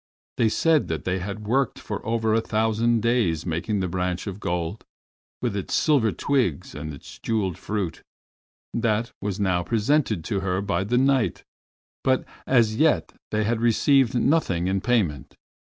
They said that they had worked for over a thousand days making the branch of gold, with its silver twigs and its jeweled fruit, that was now presented to her by the Knight, but as yet they had received nothing in payment.